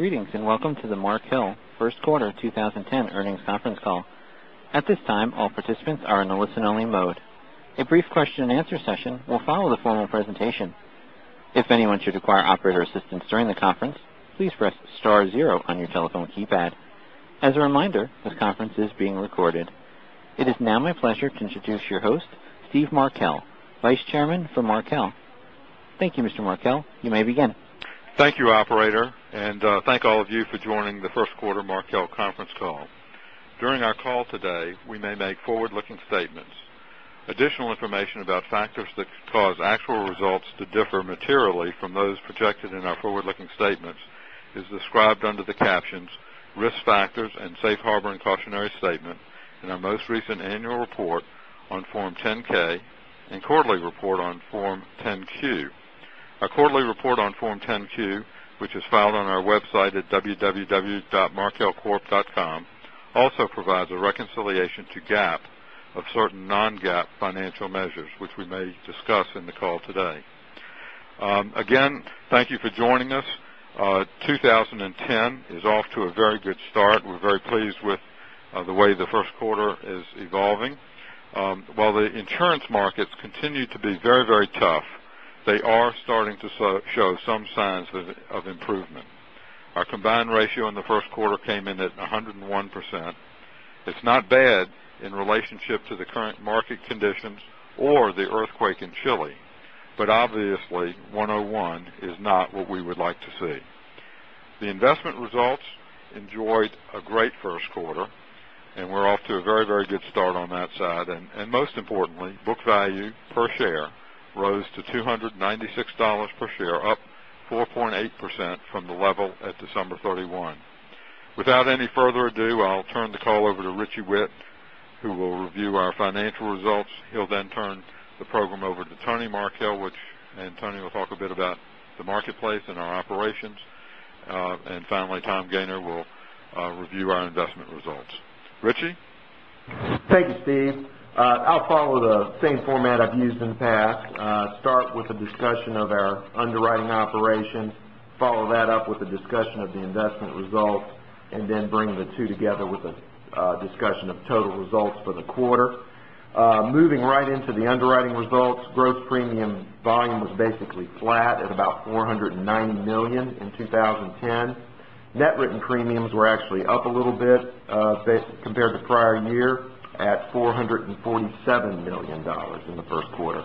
Greetings. Welcome to the Markel first quarter 2010 earnings conference call. At this time, all participants are in the listen-only mode. A brief question and answer session will follow the formal presentation. If anyone should require operator assistance during the conference, please press star zero on your telephone keypad. As a reminder, this conference is being recorded. It is now my pleasure to introduce your host, Steve Markel, Vice Chairman for Markel. Thank you, Mr. Markel. You may begin. Thank you, operator. Thank all of you for joining the first quarter Markel conference call. During our call today, we may make forward-looking statements. Additional information about factors that could cause actual results to differ materially from those projected in our forward-looking statements is described under the captions Risk Factors and Safe Harbor and Cautionary Statement in our most recent annual report on Form 10-K and quarterly report on Form 10-Q. Our quarterly report on Form 10-Q, which is filed on our website at www.markelcorp.com, also provides a reconciliation to GAAP of certain non-GAAP financial measures, which we may discuss in the call today. Again, thank you for joining us. 2010 is off to a very good start. We're very pleased with the way the first quarter is evolving. While the insurance markets continue to be very tough, they are starting to show some signs of improvement. Our combined ratio in the first quarter came in at 101%. It's not bad in relationship to the current market conditions or the earthquake in Chile, but obviously 101 is not what we would like to see. The investment results enjoyed a great first quarter, and we're off to a very good start on that side. Most importantly, book value per share rose to $296 per share, up 4.8% from the level at December 31. Without any further ado, I'll turn the call over to Richie Whitt, who will review our financial results. He'll then turn the program over to Tony Markel, Tony will talk a bit about the marketplace and our operations. Finally, Tom Gayner will review our investment results. Richie? Thank you, Steve. I'll follow the same format I've used in the past. Start with a discussion of our underwriting operations, follow that up with a discussion of the investment results, then bring the two together with a discussion of total results for the quarter. Moving right into the underwriting results, gross premium volume was basically flat at about $490 million in 2010. Net written premiums were actually up a little bit compared to prior year at $447 million in the first quarter.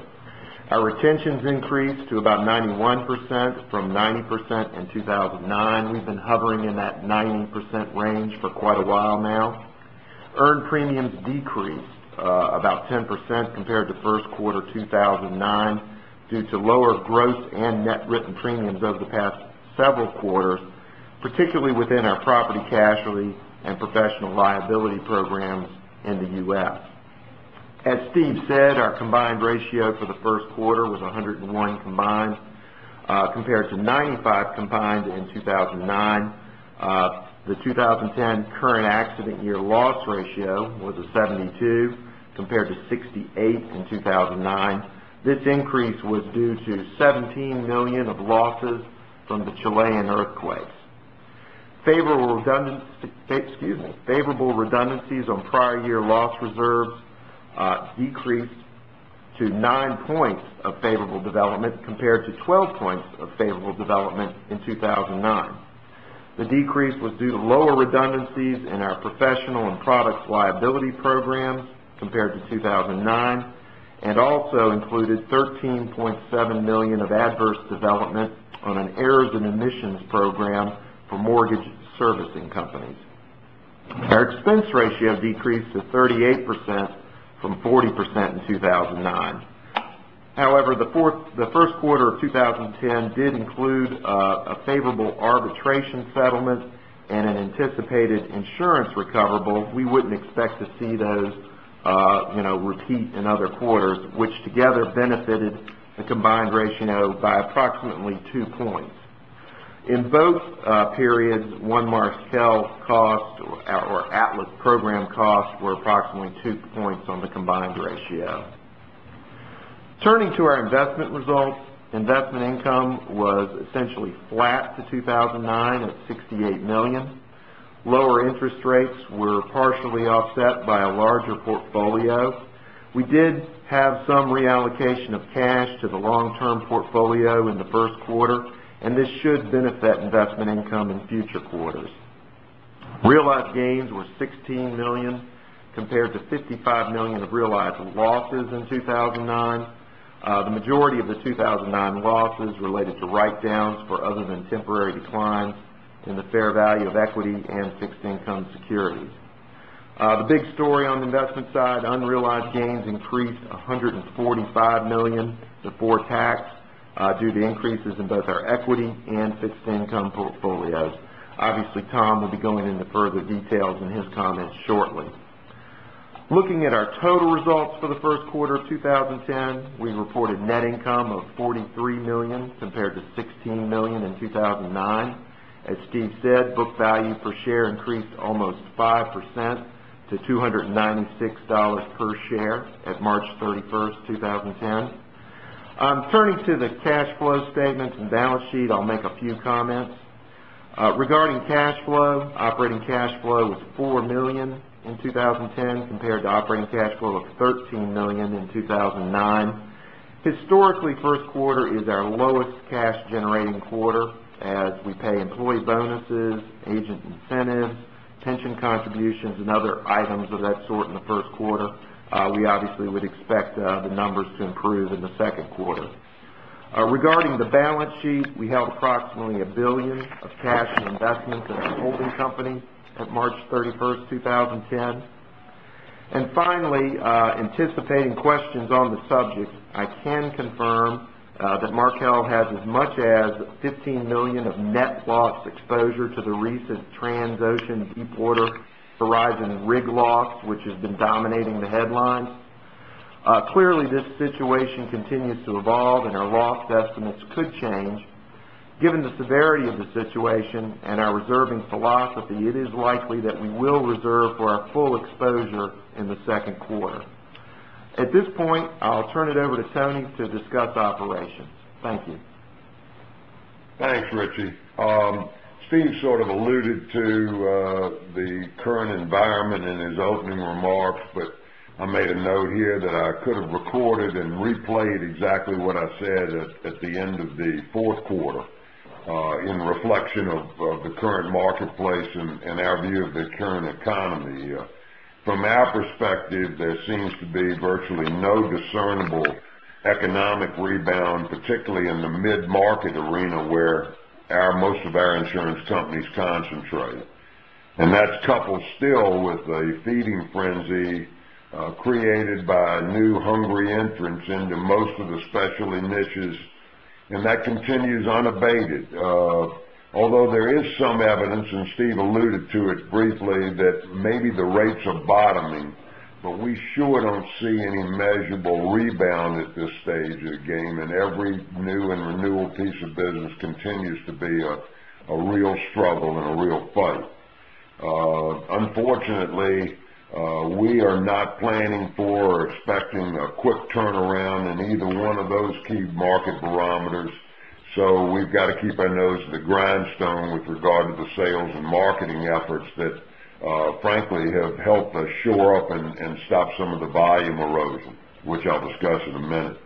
Our retentions increased to about 91% from 90% in 2009. We've been hovering in that 90% range for quite a while now. Earned premiums decreased about 10% compared to first quarter 2009 due to lower gross and net written premiums over the past several quarters, particularly within our property casualty and professional liability programs in the U.S. As Steve said, our combined ratio for the first quarter was 101 combined compared to 95 combined in 2009. The 2010 current accident year loss ratio was a 72 compared to 68 in 2009. This increase was due to $17 million of losses from the Chilean earthquake. Favorable redundancies on prior year loss reserves decreased to nine points of favorable development compared to 12 points of favorable development in 2009. The decrease was due to lower redundancies in our professional and products liability programs compared to 2009 and also included $13.7 million of adverse development on an errors and omissions program for mortgage servicing companies. Our expense ratio decreased to 38% from 40% in 2009. However, the first quarter of 2010 did include a favorable arbitration settlement and an anticipated insurance recoverable. We wouldn't expect to see those repeat in other quarters, which together benefited the combined ratio by approximately two points. In both periods, One Markel cost or Atlas program costs were approximately two points on the combined ratio. Turning to our investment results, investment income was essentially flat to 2009 at $68 million. Lower interest rates were partially offset by a larger portfolio. We did have some reallocation of cash to the long-term portfolio in the first quarter, and this should benefit investment income in future quarters. Realized gains were $16 million compared to $55 million of realized losses in 2009. The majority of the 2009 losses related to write-downs for other than temporary declines in the fair value of equity and fixed income securities. The big story on the investment side, unrealized gains increased $145 million before tax due to increases in both our equity and fixed income portfolios. Obviously, Tom will be going into further details in his comments shortly. Looking at our total results for the first quarter of 2010, we reported net income of $43 million compared to $16 million in 2009. As Steve said, book value per share increased almost 5% to $296 per share at March 31st, 2010. Turning to the cash flow statements and balance sheet, I'll make a few comments. Regarding cash flow, operating cash flow was $4 million in 2010 compared to operating cash flow of $13 million in 2009. Historically, first quarter is our lowest cash-generating quarter as we pay employee bonuses, agent incentives, pension contributions, and other items of that sort in the first quarter. We obviously would expect the numbers to improve in the second quarter. Regarding the balance sheet, we held approximately $1 billion of cash and investments in our holding company at March 31st, 2010. Finally, anticipating questions on the subject, I can confirm that Markel has as much as $15 million of net loss exposure to the recent Transocean Deepwater Horizon rig loss, which has been dominating the headlines. Clearly, this situation continues to evolve and our loss estimates could change. Given the severity of the situation and our reserving philosophy, it is likely that we will reserve for our full exposure in the second quarter. At this point, I'll turn it over to Tony to discuss operations. Thank you. Thanks, Richie. Steve sort of alluded to the current environment in his opening remarks. I made a note here that I could have recorded and replayed exactly what I said at the end of the fourth quarter in reflection of the current marketplace and our view of the current economy. From our perspective, there seems to be virtually no discernible economic rebound, particularly in the mid-market arena where most of our insurance companies concentrate. That's coupled still with a feeding frenzy created by new hungry entrants into most of the specialty niches. That continues unabated. Although there is some evidence, and Steve alluded to it briefly, that maybe the rates are bottoming. We sure don't see any measurable rebound at this stage of the game, and every new and renewal piece of business continues to be a real struggle and a real fight. Unfortunately, we are not planning for or expecting a quick turnaround in either one of those key market barometers. We've got to keep our nose to the grindstone with regard to the sales and marketing efforts that frankly have helped us shore up and stop some of the volume erosion, which I'll discuss in a minute.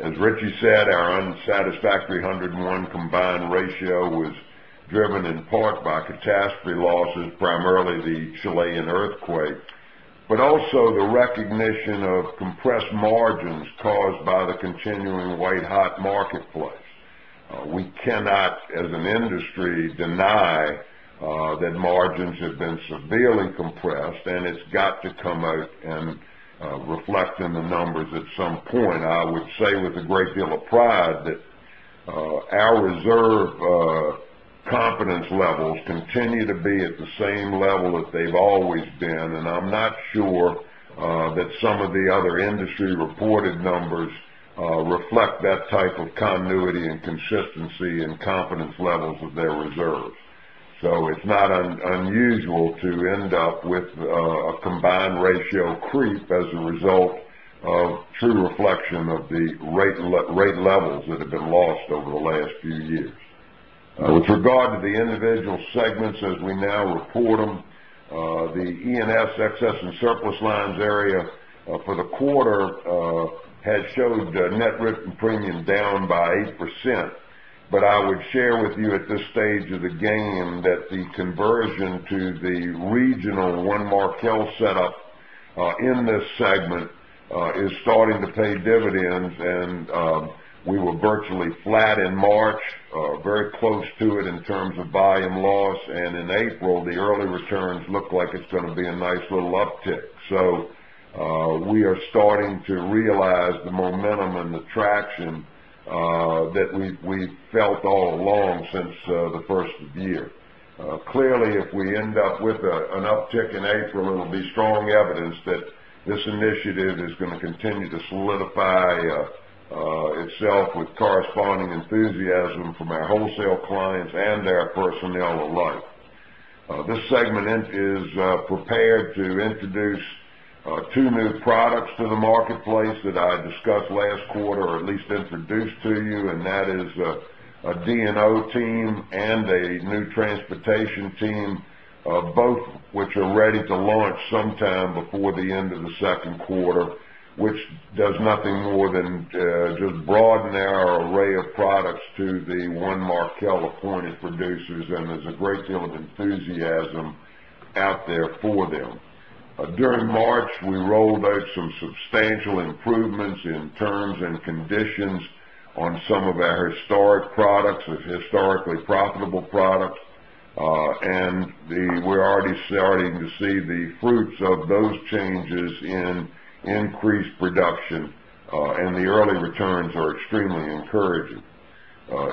As Richie said, our unsatisfactory 101 combined ratio was driven in part by catastrophe losses, primarily the Chilean earthquake, also the recognition of compressed margins caused by the continuing white-hot marketplace. We cannot, as an industry, deny that margins have been severely compressed. It's got to come out and reflect in the numbers at some point. I would say with a great deal of pride that our reserve confidence levels continue to be at the same level that they've always been. I'm not sure that some of the other industry-reported numbers reflect that type of continuity and consistency and confidence levels of their reserves. It's not unusual to end up with a combined ratio creep as a result of true reflection of the rate levels that have been lost over the last few years. With regard to the individual segments as we now report them, the E&S excess and surplus lines area for the quarter has showed net written premium down by 8%. I would share with you at this stage of the game that the conversion to the regional One Markel setup in this segment is starting to pay dividends. We were virtually flat in March, very close to it in terms of volume loss. In April, the early returns look like it's going to be a nice little uptick. We are starting to realize the momentum and the traction that we've felt all along since the first of the year. Clearly, if we end up with an uptick in April, it'll be strong evidence that this initiative is going to continue to solidify itself with corresponding enthusiasm from our wholesale clients and our personnel alike. This segment is prepared to introduce two new products to the marketplace that I discussed last quarter, or at least introduced to you, and that is a D&O team and a new transportation team both which are ready to launch sometime before the end of the second quarter, which does nothing more than just broaden our array of products to the One Markel appointed producers. There's a great deal of enthusiasm out there for them. During March, we rolled out some substantial improvements in terms and conditions on some of our historic products, historically profitable products. We're already starting to see the fruits of those changes in increased production, and the early returns are extremely encouraging.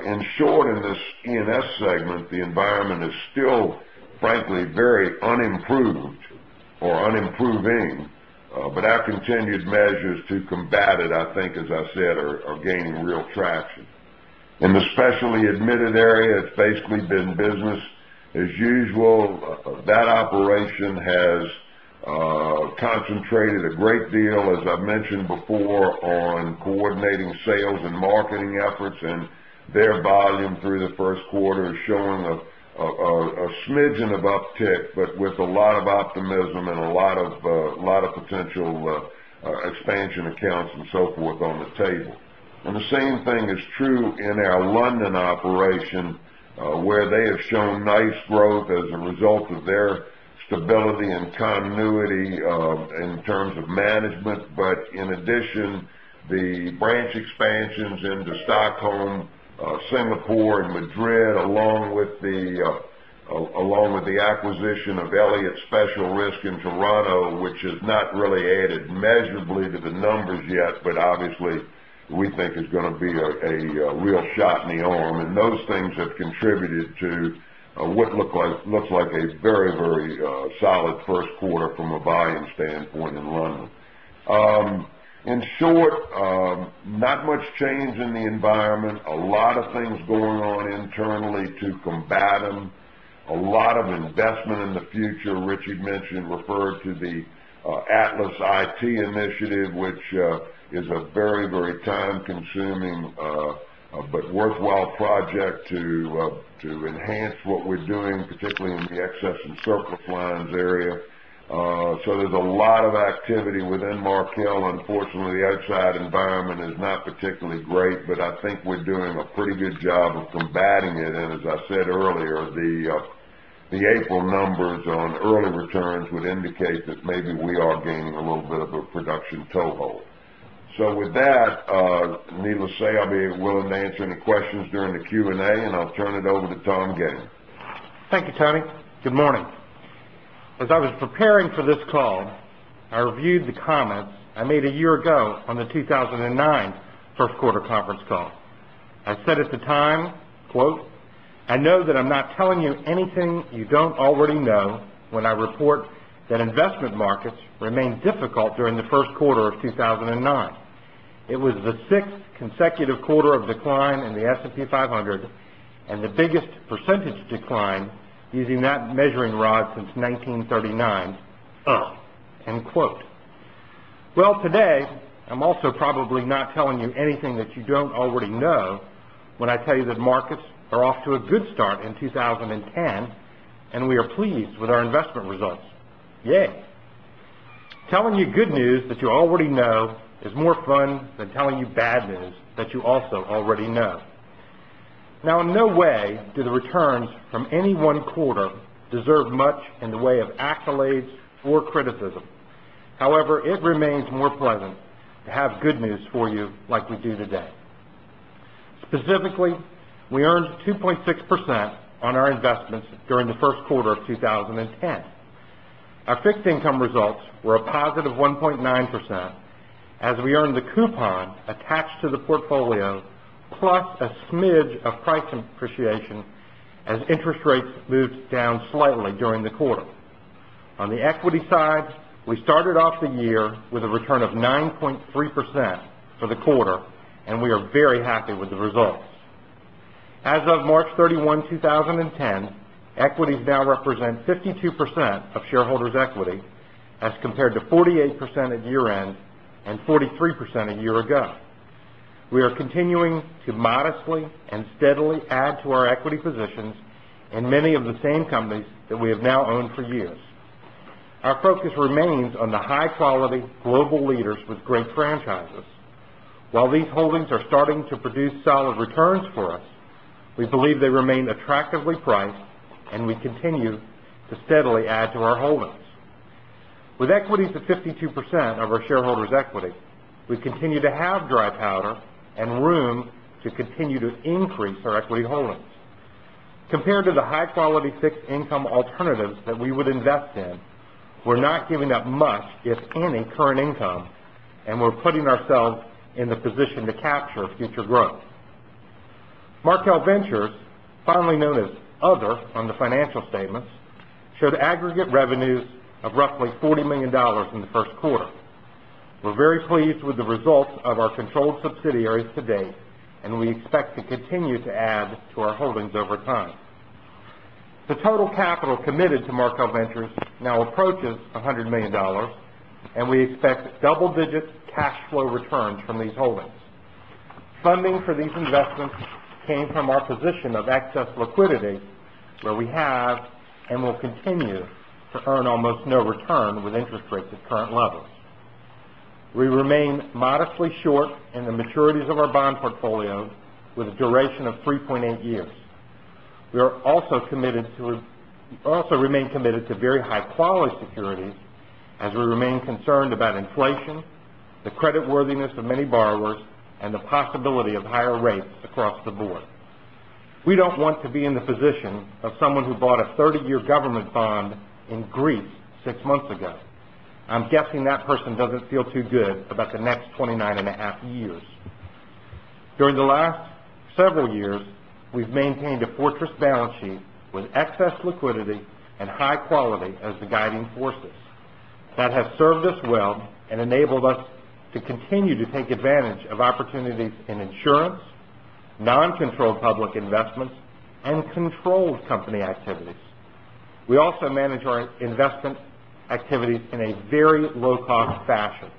In short, in this E&S segment, the environment is still, frankly, very unimproved or unimproving. Our continued measures to combat it, I think, as I said, are gaining real traction. In the specialty admitted area, it's basically been business as usual. That operation has concentrated a great deal, as I've mentioned before, on coordinating sales and marketing efforts, and their volume through the first quarter is showing a smidgen of uptick, but with a lot of optimism and a lot of potential expansion accounts and so forth on the table. The same thing is true in our London operation, where they have shown nice growth as a result of their stability and continuity in terms of management. In addition, the branch expansions into Stockholm, Singapore, and Madrid, along with the acquisition of Elliott Special Risks in Toronto, which has not really added measurably to the numbers yet, but obviously we think is going to be a real shot in the arm. Those things have contributed to what looks like a very solid first quarter from a volume standpoint in London. In short, not much change in the environment. A lot of things going on internally to combat them. A lot of investment in the future. Richard mentioned, referred to the Atlas IT initiative, which is a very time-consuming but worthwhile project to enhance what we're doing, particularly in the Excess & Surplus lines area. There's a lot of activity within Markel. Unfortunately, the outside environment is not particularly great. I think we're doing a pretty good job of combating it. As I said earlier, the April numbers on early returns would indicate that maybe we are gaining a little bit of a production toehold. With that, needless say, I'll be willing to answer any questions during the Q&A, and I'll turn it over to Tom Gayner. Thank you, Tony. Good morning. As I was preparing for this call, I reviewed the comments I made a year ago on the 2009 first quarter conference call. I said at the time, quote, "I know that I'm not telling you anything you don't already know when I report that investment markets remained difficult during the first quarter of 2009. It was the sixth consecutive quarter of decline in the S&P 500 and the biggest percentage decline using that measuring rod since 1939." End quote. Today, I'm also probably not telling you anything that you don't already know when I tell you that markets are off to a good start in 2010, and we are pleased with our investment results. Yay. Telling you good news that you already know is more fun than telling you bad news that you also already know. In no way do the returns from any one quarter deserve much in the way of accolades or criticism. However, it remains more pleasant to have good news for you like we do today. Specifically, we earned 2.6% on our investments during the first quarter of 2010. Our fixed income results were a positive 1.9% as we earned the coupon attached to the portfolio, plus a smidge of price appreciation as interest rates moved down slightly during the quarter. On the equity side, we started off the year with a return of 9.3% for the quarter, and we are very happy with the results. As of March 31, 2010, equities now represent 52% of shareholders' equity as compared to 48% at year-end and 43% a year ago. We are continuing to modestly and steadily add to our equity positions in many of the same companies that we have now owned for years. Our focus remains on the high-quality global leaders with great franchises. While these holdings are starting to produce solid returns for us, we believe they remain attractively priced, and we continue to steadily add to our holdings. With equities at 52% of our shareholders' equity, we continue to have dry powder and room to continue to increase our equity holdings. Compared to the high-quality fixed income alternatives that we would invest in, we're not giving up much, if any, current income, and we're putting ourselves in the position to capture future growth. Markel Ventures, finally known as Other on the financial statements, showed aggregate revenues of roughly $40 million in the first quarter. We're very pleased with the results of our controlled subsidiaries to date. We expect to continue to add to our holdings over time. The total capital committed to Markel Ventures now approaches $100 million, and we expect double-digit cash flow returns from these holdings. Funding for these investments came from our position of excess liquidity, where we have and will continue to earn almost no return with interest rates at current levels. We remain modestly short in the maturities of our bond portfolio with a duration of 3.8 years. We also remain committed to very high-quality securities as we remain concerned about inflation, the credit worthiness of many borrowers, and the possibility of higher rates across the board. We don't want to be in the position of someone who bought a 30-year government bond in Greece six months ago. I'm guessing that person doesn't feel too good about the next 29 and a half years. During the last several years, we've maintained a fortress balance sheet with excess liquidity and high quality as the guiding forces. That has served us well and enabled us to continue to take advantage of opportunities in insurance, non-controlled public investments, and controlled company activities. We also manage our investment activities in a very low-cost fashion.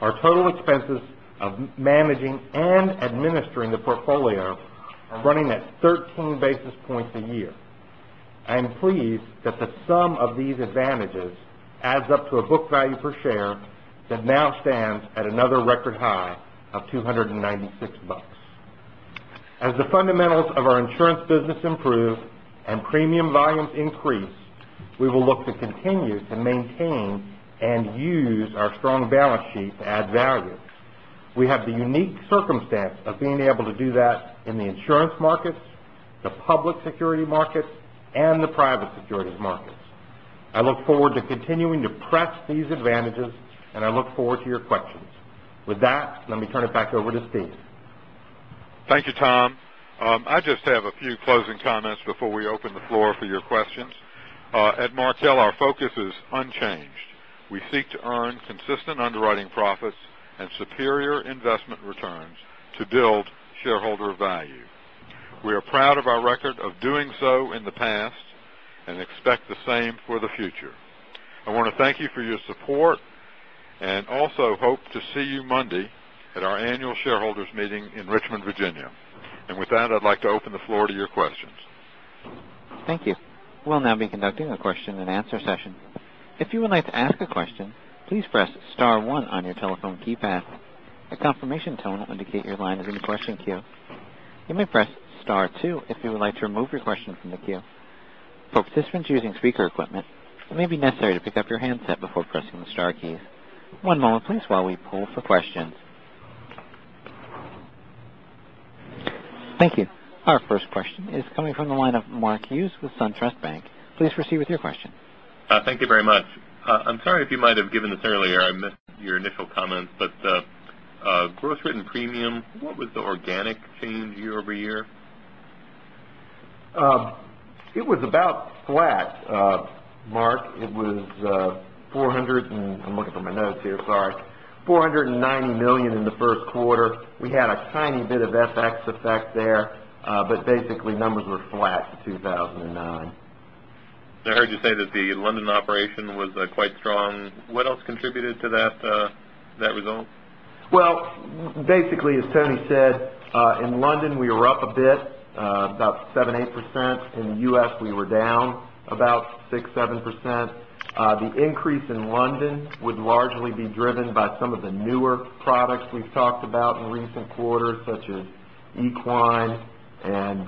Our total expenses of managing and administering the portfolio are running at 13 basis points a year. I am pleased that the sum of these advantages adds up to a book value per share that now stands at another record high of $296. As the fundamentals of our insurance business improve and premium volumes increase, we will look to continue to maintain and use our strong balance sheet to add value. We have the unique circumstance of being able to do that in the insurance markets, the public security markets, and the private securities markets. I look forward to continuing to press these advantages, and I look forward to your questions. With that, let me turn it back over to Steve. Thank you, Tom. I just have a few closing comments before we open the floor for your questions. At Markel, our focus is unchanged. We seek to earn consistent underwriting profits and superior investment returns to build shareholder value. We are proud of our record of doing so in the past and expect the same for the future. I want to thank you for your support. I also hope to see you on Monday at our annual shareholders meeting in Richmond, Virginia. With that, I'd like to open the floor to your questions. Thank you. We'll now be conducting a question and answer session. If you would like to ask a question, please press *1 on your telephone keypad. A confirmation tone will indicate your line is in the question queue. You may press *2 if you would like to remove your question from the queue. For participants using speaker equipment, it may be necessary to pick up your handset before pressing the star keys. One moment, please, while we pull for questions. Thank you. Our first question is coming from the line of Mark Hughes with SunTrust Bank. Please proceed with your question. Thank you very much. I'm sorry if you might have given this earlier. I missed your initial comments, gross written premium, what was the organic change year-over-year? It was about flat, Mark Hughes. It was $490 million in the first quarter. We had a tiny bit of FX effect there, basically numbers were flat to 2009. I heard you say that the London operation was quite strong. What else contributed to that result? Basically, as Tony Markel said, in London we were up a bit, about 7%-8%. In the U.S., we were down about 6%-7%. The increase in London would largely be driven by some of the newer products we've talked about in recent quarters, such as equine and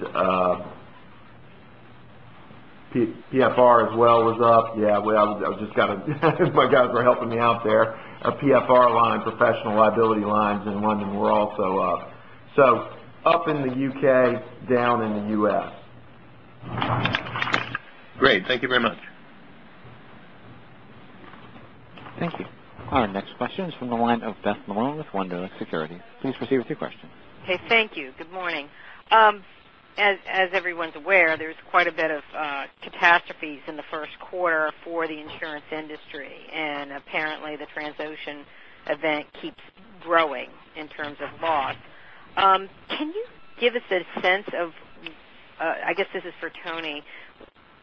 PFR as well was up. Yeah. My guys were helping me out there. Our PFR line, professional liability lines in London were also up. Up in the U.K., down in the U.S. Great. Thank you very much. Thank you. Our next question is from the line of Beth Malone with Wunderlich Securities. Please proceed with your question. Okay. Thank you. Good morning. As everyone's aware, there's quite a bit of catastrophes in the first quarter for the insurance industry, and apparently the Transocean event keeps growing in terms of loss. Can you give us a sense of, I guess this is for Tony,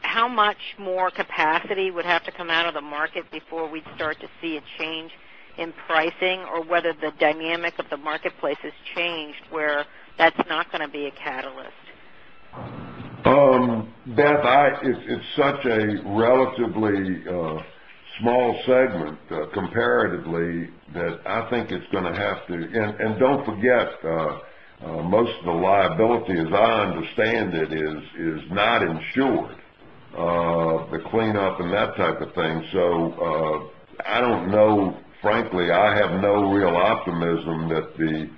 how much more capacity would have to come out of the market before we'd start to see a change in pricing or whether the dynamic of the marketplace has changed where that's not going to be a catalyst? Beth, it's such a relatively small segment, comparatively, that I think it's going to have to and don't forget, most of the liability, as I understand it, is not insured, the cleanup and that type of thing. I don't know. Frankly, I have no real optimism that the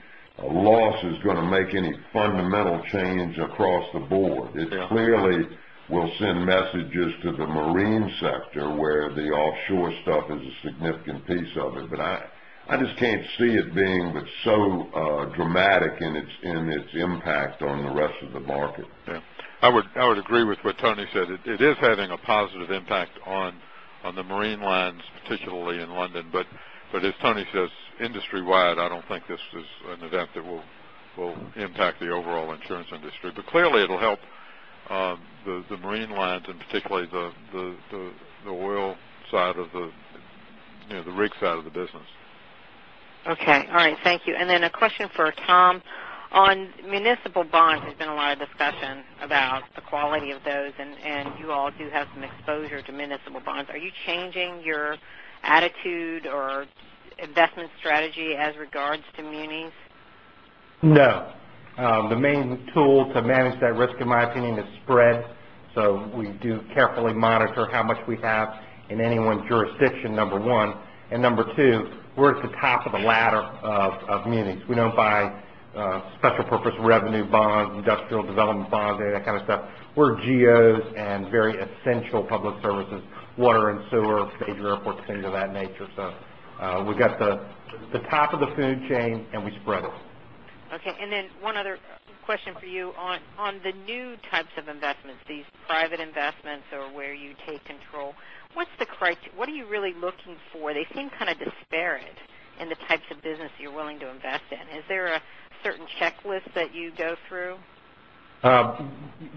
loss is going to make any fundamental change across the board. Yeah. It clearly will send messages to the marine sector where the offshore stuff is a significant piece of it. I just can't see it being but so dramatic in its impact on the rest of the market. Yeah, I would agree with what Tony said. It is having a positive impact on the marine lines, particularly in London. As Tony says, industry-wide, I don't think this is an event that will impact the overall insurance industry. Clearly it'll help the marine lines and particularly the oil side of the rig side of the business. Okay. All right. Thank you. Then a question for Tom. On municipal bonds, there's been a lot of discussion about the quality of those, and you all do have some exposure to municipal bonds. Are you changing your attitude or investment strategy as regards to munis? No. The main tool to manage that risk, in my opinion, is spread. We do carefully monitor how much we have in anyone's jurisdiction, number one. Number two, we're at the top of the ladder of munis. We don't buy special purpose revenue bonds, industrial development bonds, any of that kind of stuff. We're GOs and very essential public services, water and sewer, major airports, things of that nature. We've got the top of the food chain, and we spread it. Okay. One other question for you on the new types of investments, these private investments or where you take control. What are you really looking for? They seem kind of disparate in the types of business you're willing to invest in. Is there a certain checklist that you go through?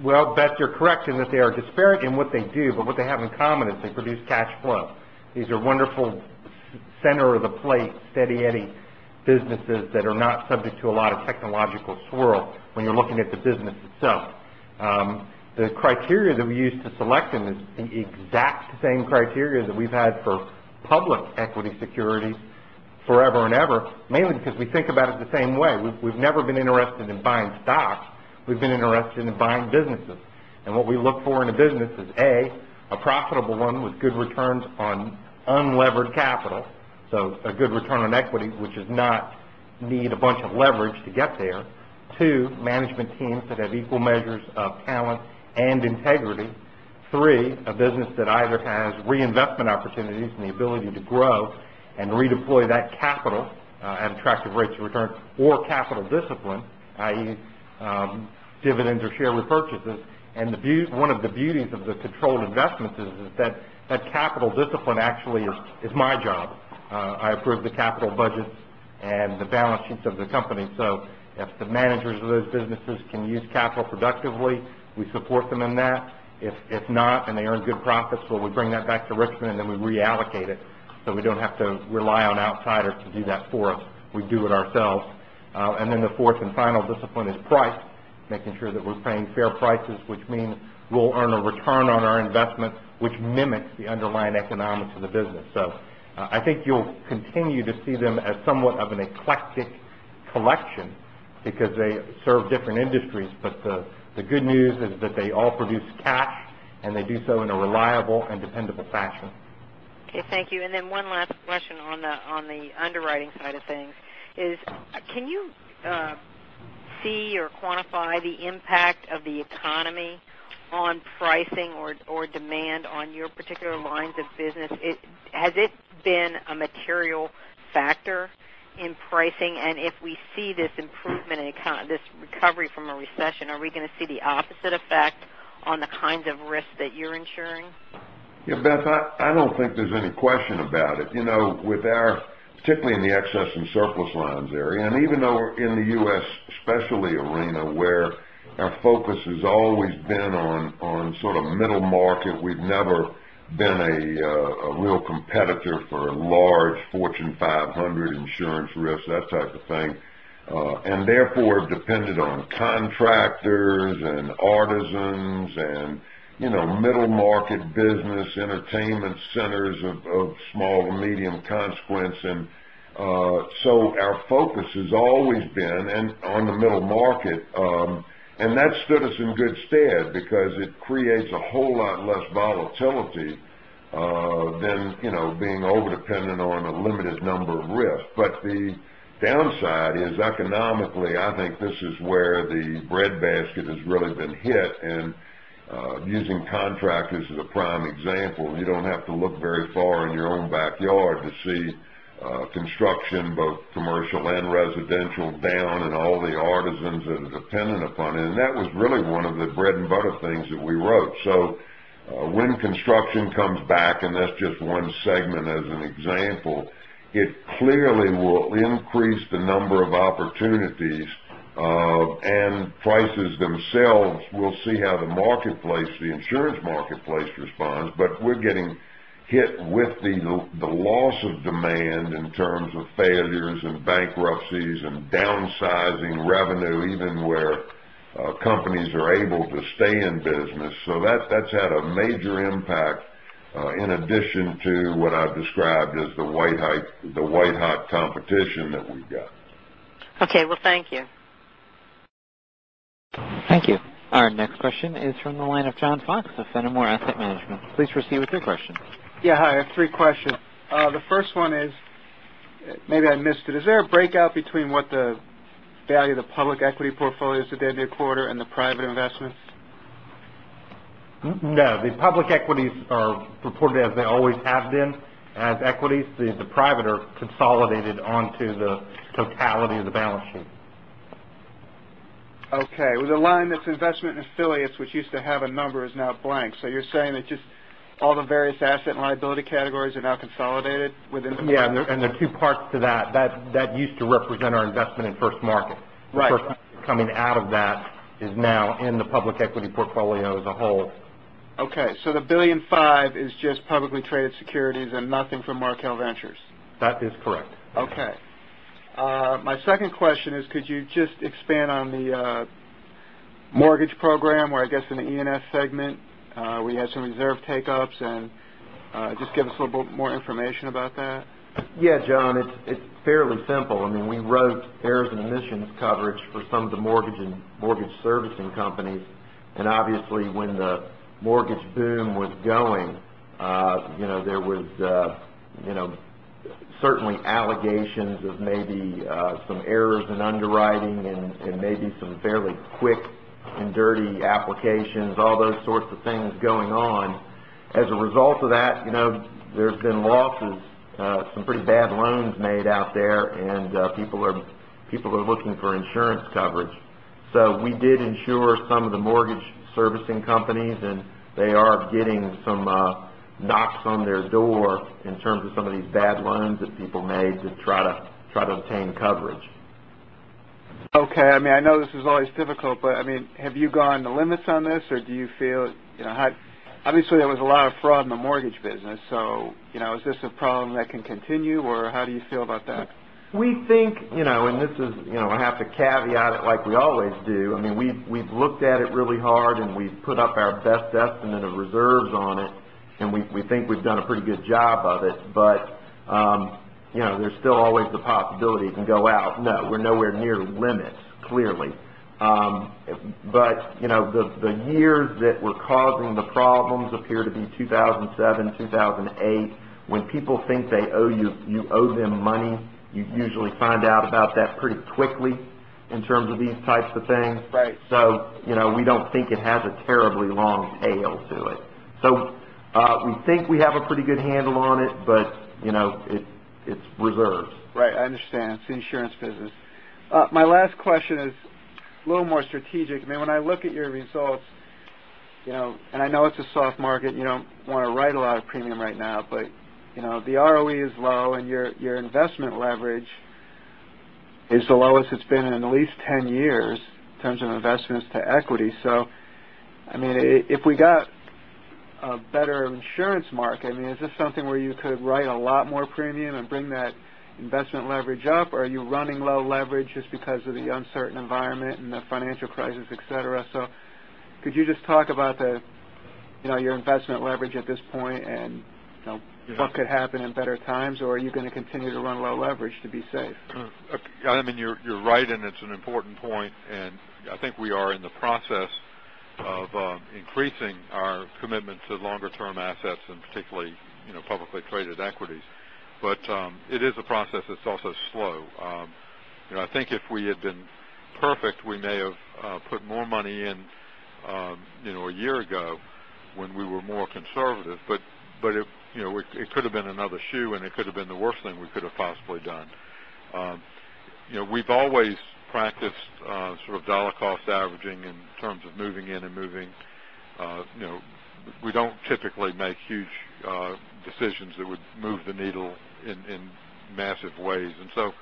Well, Beth, you're correct in that they are disparate in what they do, but what they have in common is they produce cash flow. These are wonderful center of the plate, steady Eddie businesses that are not subject to a lot of technological swirl when you're looking at the business itself. The criteria that we use to select them is the exact same criteria that we've had for public equity securities forever and ever, mainly because we think about it the same way. We've never been interested in buying stocks. We've been interested in buying businesses. What we look for in a business is, A, a profitable one with good returns on unlevered capital, so a good return on equity, which does not need a bunch of leverage to get there. Two, management teams that have equal measures of talent and integrity. Three, a business that either has reinvestment opportunities and the ability to grow and redeploy that capital at attractive rates of return or capital discipline, i.e., dividends or share repurchases. One of the beauties of the controlled investments is that that capital discipline actually is my job. I approve the capital budgets and the balance sheets of the company. If the managers of those businesses can use capital productively, we support them in that. If not, and they earn good profits, well, we bring that back to Richmond, we reallocate it. We don't have to rely on outsiders to do that for us. We do it ourselves. The fourth and final discipline is price, making sure that we're paying fair prices, which means we'll earn a return on our investment, which mimics the underlying economics of the business. I think you'll continue to see them as somewhat of an eclectic collection because they serve different industries. The good news is that they all produce cash, and they do so in a reliable and dependable fashion. Okay. Thank you. One last question on the underwriting side of things is, can you see or quantify the impact of the economy on pricing or demand on your particular lines of business? Has it been a material factor in pricing? If we see this improvement in this recovery from a recession, are we going to see the opposite effect on the kinds of risks that you're insuring? Yeah, Beth, I don't think there's any question about it. Particularly in the excess and surplus lines area, and even though in the U.S. specialty arena, where our focus has always been on sort of middle market. We've never been a real competitor for large Fortune 500 insurance risks, that type of thing, and therefore dependent on contractors and artisans and middle market business entertainment centers of small to medium consequence. Our focus has always been on the middle market. That stood us in good stead because it creates a whole lot less volatility than being overdependent on a limited number of risks. The downside is, economically, I think this is where the breadbasket has really been hit. Using contractors as a prime example, you don't have to look very far in your own backyard to see construction, both commercial and residential, down, and all the artisans that are dependent upon it. That was really one of the bread and butter things that we wrote. When construction comes back, and that's just one segment as an example, it clearly will increase the number of opportunities and prices themselves. We'll see how the marketplace, the insurance marketplace, responds. We're getting hit with the loss of demand in terms of failures and bankruptcies and downsizing revenue, even where companies are able to stay in business. That's had a major impact in addition to what I've described as the white-hot competition that we've got. Okay, well, thank you. Thank you. Our next question is from the line of John Fox of Fenimore Asset Management. Please proceed with your question. Yeah. Hi. I have three questions. The first one is, maybe I missed it. Is there a breakout between what the value of the public equity portfolios at the end of the quarter and the private investments? No, the public equities are reported as they always have been as equities. The private are consolidated onto the totality of the balance sheet. Okay. With a line that's investment affiliates, which used to have a number, is now blank. You're saying that just all the various asset and liability categories are now consolidated. Yeah, there are two parts to that. That used to represent our investment in First Market. Right. The First Market coming out of that is now in the public equity portfolio as a whole. Okay. The $1.5 billion is just publicly traded securities and nothing from Markel Ventures. That is correct. Okay. My second question is, could you just expand on the mortgage program or I guess in the E&F segment where you had some reserve take ups, and just give us a little bit more information about that? Yeah, John, it's fairly simple. I mean, we wrote errors and omissions coverage for some of the mortgage and mortgage servicing companies. Obviously, when the mortgage boom was going, there was certainly allegations of maybe some errors in underwriting and maybe some fairly quick Dirty applications, all those sorts of things going on. As a result of that, there's been losses, some pretty bad loans made out there, and people are looking for insurance coverage. We did insure some of the mortgage servicing companies, and they are getting some knocks on their door in terms of some of these bad loans that people made to try to obtain coverage. Okay. I know this is always difficult, have you gone to limits on this? Obviously, there was a lot of fraud in the mortgage business, is this a problem that can continue, or how do you feel about that? We think, I have to caveat it like we always do. We've looked at it really hard, we've put up our best estimate of reserves on it, we think we've done a pretty good job of it, there's still always the possibility it can go out. No, we're nowhere near limits, clearly. The years that were causing the problems appear to be 2007, 2008. When people think you owe them money, you usually find out about that pretty quickly in terms of these types of things. Right. We don't think it has a terribly long tail to it. We think we have a pretty good handle on it's reserves. Right. I understand. It's the insurance business. My last question is a little more strategic. When I look at your results, I know it's a soft market, you don't want to write a lot of premium right now, the ROE is low and your investment leverage is the lowest it's been in at least 10 years in terms of investments to equity. If we got a better insurance market, is this something where you could write a lot more premium and bring that investment leverage up, or are you running low leverage just because of the uncertain environment and the financial crisis, et cetera? Could you just talk about your investment leverage at this point, and what could happen in better times, or are you going to continue to run low leverage to be safe? You're right, it's an important point, I think we are in the process of increasing our commitment to longer-term assets, particularly, publicly traded equities. It is a process that's also slow. I think if we had been perfect, we may have put more money in a year ago when we were more conservative, it could have been another shoe, it could have been the worst thing we could have possibly done. We've always practiced sort of dollar cost averaging in terms of moving in and moving. We don't typically make huge decisions that would move the needle in massive ways. It's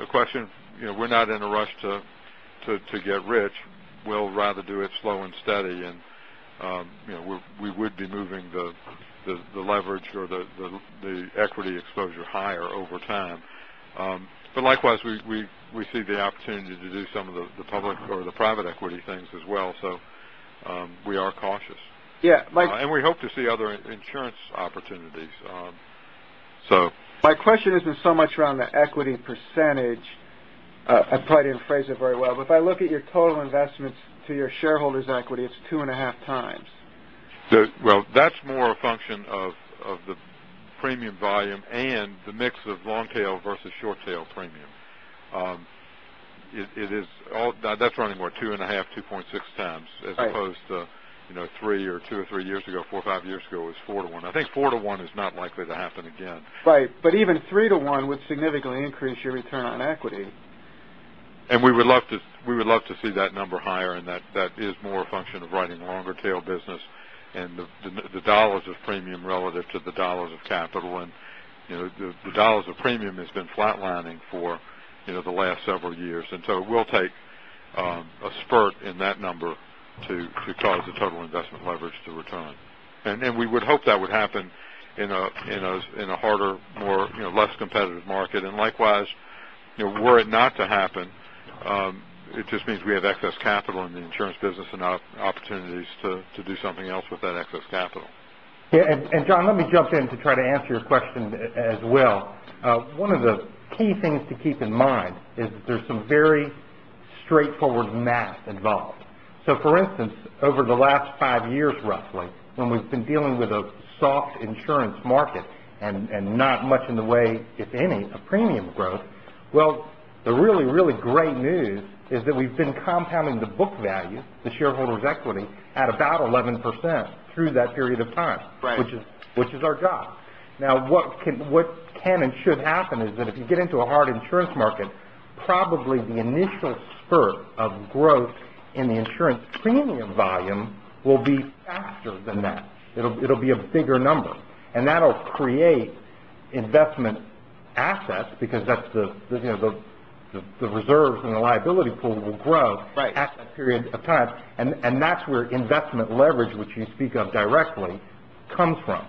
a question. We're not in a rush to get rich. We'll rather do it slow and steady, we would be moving the leverage or the equity exposure higher over time. Likewise, we see the opportunity to do some of the public or the private equity things as well, we are cautious. Yeah. We hope to see other insurance opportunities. My question isn't so much around the equity percentage. I probably didn't phrase it very well. If I look at your total investments to your shareholders' equity, it's two and a half times. Well, that's more a function of the premium volume and the mix of long-tail versus short-tail premium. That's running more 2.5, 2.6 times as opposed to 2 or 3 years ago, 4 or 5 years ago, it was 4 to 1. I think 4 to 1 is not likely to happen again. Right. Even 3 to 1 would significantly increase your return on equity. We would love to see that number higher, and that is more a function of writing longer tail business and the dollars of premium relative to the dollars of capital. The dollars of premium has been flatlining for the last several years. It will take a spurt in that number to cause the total investment leverage to return. We would hope that would happen in a harder, less competitive market. Likewise, were it not to happen, it just means we have excess capital in the insurance business and opportunities to do something else with that excess capital. Yeah. John, let me jump in to try to answer your question as well. One of the key things to keep in mind is that there's some very straightforward math involved. For instance, over the last 5 years, roughly, when we've been dealing with a soft insurance market and not much in the way, if any, of premium growth, well, the really great news is that we've been compounding the book value, the shareholders' equity, at about 11% through that period of time. Right. What can and should happen is that if you get into a hard insurance market, probably the initial spurt of growth in the insurance premium volume will be faster than that. It'll be a bigger number. That'll create investment assets because the reserves and the liability pool will grow. Right at that period of time. That's where investment leverage, which you speak of directly, comes from.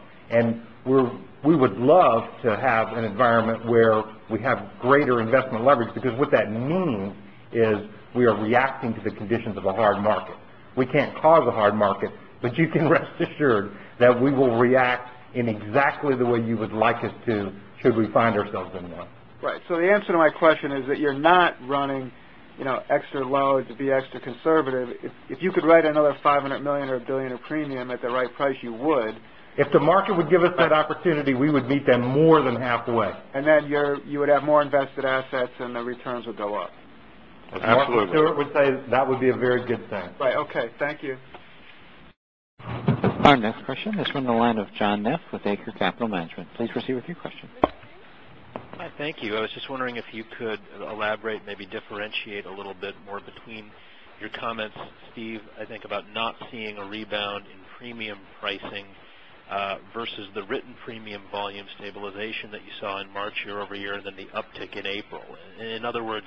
We would love to have an environment where we have greater investment leverage because what that means is we are reacting to the conditions of a hard market. We can't cause a hard market, but you can rest assured that we will react in exactly the way you would like us to should we find ourselves in that. Right. The answer to my question is that you're not running extra low to be extra conservative. If you could write another $500 million or $1 billion of premium at the right price, you would. If the market would give us that opportunity, we would meet them more than halfway. You would have more invested assets, and the returns would go up. Absolutely. Martha Stewart would say that would be a very good thing. Right. Okay. Thank you. Our next question is from the line of John Neff with Akre Capital Management. Please proceed with your question. Hi, thank you. I was just wondering if you could elaborate, maybe differentiate a little bit more between your comments, Steve, I think about not seeing a rebound in premium pricing, versus the written premium volume stabilization that you saw in March year-over-year, and then the uptick in April. In other words,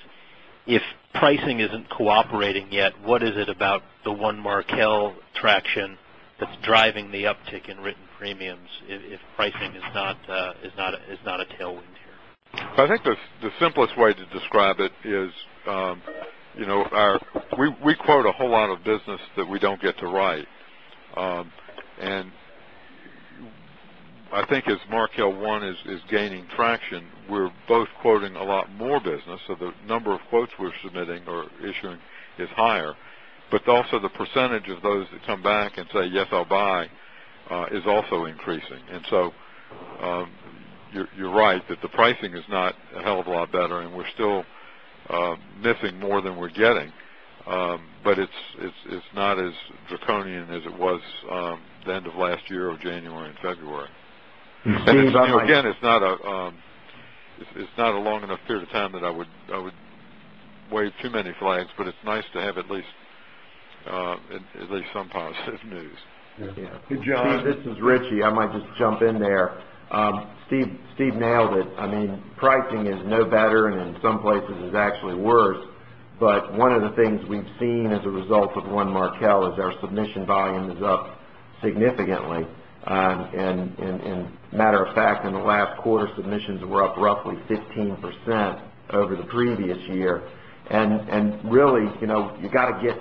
if pricing isn't cooperating yet, what is it about the One Markel traction that's driving the uptick in written premiums if pricing is not a tailwind here? I think the simplest way to describe it is, we quote a whole lot of business that we don't get to write. As One Markel is gaining traction, we're both quoting a lot more business. The number of quotes we're submitting or issuing is higher. Also, the percentage of those that come back and say, "Yes, I'll buy," is also increasing. You're right that the pricing is not a hell of a lot better, and we're still missing more than we're getting. It's not as draconian as it was the end of last year or January and February. Again, it's not a long enough period of time that I would wave too many flags. It's nice to have at least some positive news. Yeah. Hey, John, this is Richie. I might just jump in there. Steve nailed it. Pricing is no better, and in some places is actually worse. But one of the things we've seen as a result of One Markel is our submission volume is up significantly. Matter of fact, in the last quarter, submissions were up roughly 15% over the previous year. Really, you got to get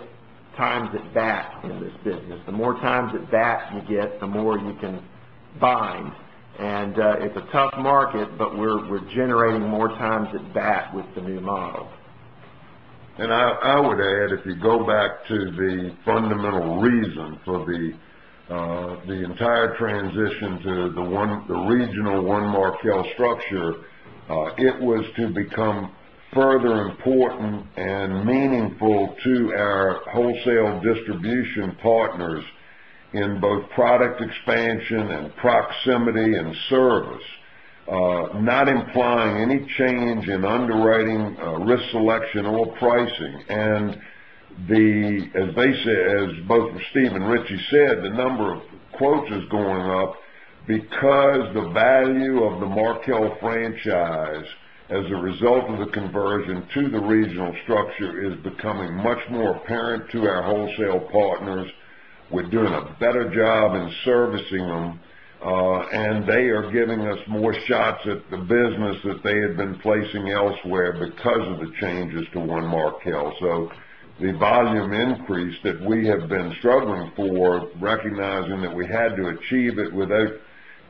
times at bat in this business. The more times at bat you get, the more you can bind. It's a tough market. We're generating more times at bat with the new model. I would add, if you go back to the fundamental reason for the entire transition to the regional One Markel structure, it was to become further important and meaningful to our wholesale distribution partners in both product expansion and proximity and service, not implying any change in underwriting, risk selection, or pricing. As both Steve and Richie said, the number of quotes is going up because the value of the Markel franchise, as a result of the conversion to the regional structure, is becoming much more apparent to our wholesale partners. We're doing a better job in servicing them. They are giving us more shots at the business that they had been placing elsewhere because of the changes to One Markel. The volume increase that we have been struggling for, recognizing that we had to achieve it without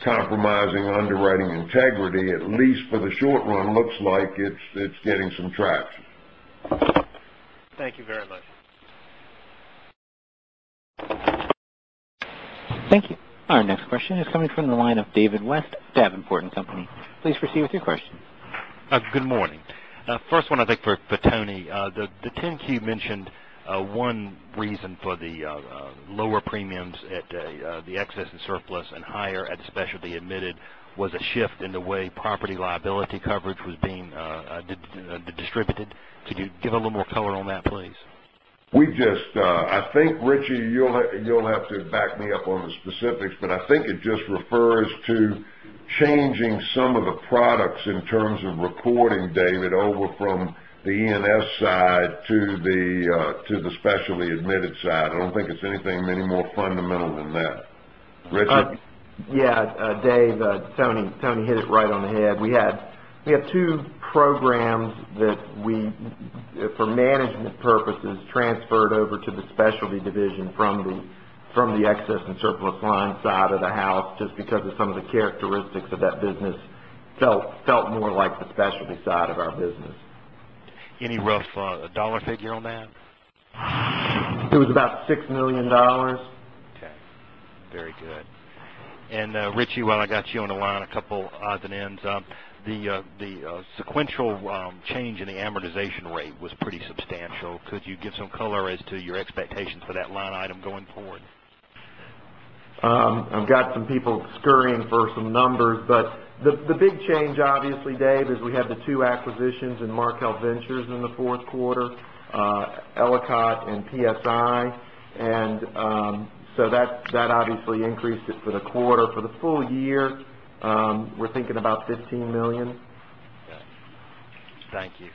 compromising underwriting integrity, at least for the short run, looks like it is getting some traction. Thank you very much. Thank you. Our next question is coming from the line of David West, Davenport & Company. Please proceed with your question. Good morning. First one, I think for Tony. The 10-Q mentioned one reason for the lower premiums at the E&S and higher at specialty admitted was a shift in the way property liability coverage was being distributed. Could you give a little more color on that, please? I think, Richie, you'll have to back me up on the specifics, but I think it just refers to changing some of the products in terms of reporting, David, over from the E&S side to the specialty admitted side. I don't think it's anything many more fundamental than that. Richie? Yeah. Dave, Tony hit it right on the head. We have two programs that we, for management purposes, transferred over to the specialty division from the excess and surplus line side of the house, just because of some of the characteristics of that business felt more like the specialty side of our business. Any rough dollar figure on that? It was about $6 million. Okay. Very good. Richie, while I got you on the line, a couple odds and ends. The sequential change in the amortization rate was pretty substantial. Could you give some color as to your expectations for that line item going forward? I've got some people scurrying for some numbers, the big change, obviously, Dave, is we had the two acquisitions in Markel Ventures in the fourth quarter, Ellicott and PSI. That obviously increased it for the quarter. For the full year, we're thinking about $15 million. Okay. Thank you.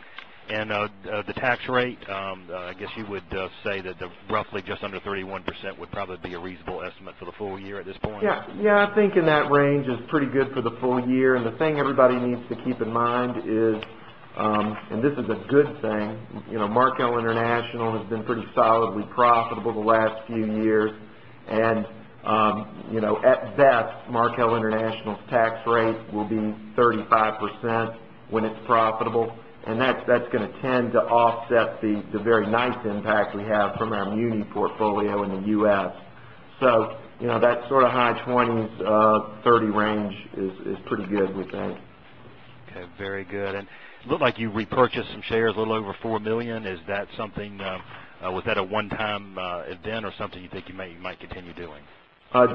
The tax rate, I guess you would say that roughly just under 31% would probably be a reasonable estimate for the full year at this point? Yeah. I think in that range is pretty good for the full year. The thing everybody needs to keep in mind is, and this is a good thing, Markel International has been pretty solidly profitable the last few years. At best, Markel International's tax rate will be 35% when it's profitable. That's going to tend to offset the very nice impact we have from our muni portfolio in the U.S. That sort of high 20s, 30 range is pretty good, we think. Okay, very good. It looked like you repurchased some shares, a little over $4 million. Was that a one-time event or something you think you might continue doing?